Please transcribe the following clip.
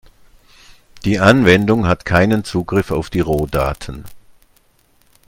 Die Anwendung hat keinen Zugriff auf die Rohdaten.